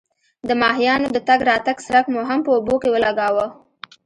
د ماهیانو د تګ راتګ څرک مو هم په اوبو کې ولګاوه.